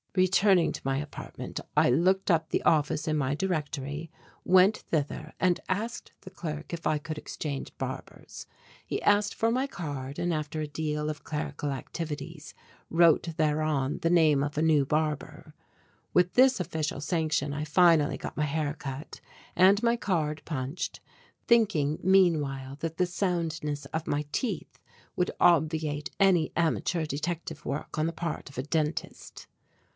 Returning to my apartment I looked up the office in my directory, went thither and asked the clerk if I could exchange barbers. He asked for my card and after a deal of clerical activities wrote thereon the name of a new barber. With this official sanction I finally got my hair cut and my card punched, thinking meanwhile that the soundness of my teeth would obviate any amateur detective work on the part of a dentist.